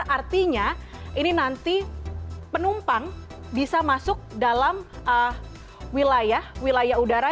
artinya ini nanti penumpang bisa masuk dalam wilayah wilayah udara